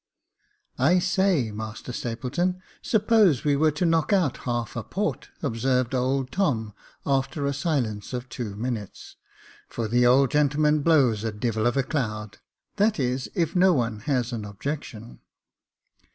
" I SAY, master Stapleton, suppose we were to knock out half a port," observed old Tom, after a silence of two minutes ;" for the old gentleman blows a devil of a cloud : that is, if no one has an objection."